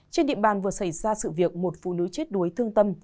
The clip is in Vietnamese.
trên địa bàn vừa xảy ra sự việc một phụ nữ chết đuối thương tâm